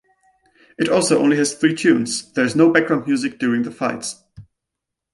It also only has three tunes; there is no background music during the fights.